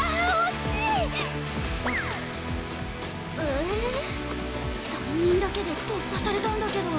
え３人だけで突破されたんだけど。